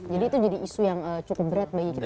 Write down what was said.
jadi itu jadi isu yang cukup berat bagi kita serta